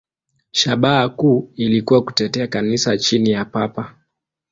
Shabaha kuu ilikuwa kutetea Kanisa chini ya Papa.